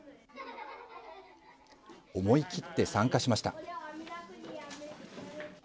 思い切って参加しました。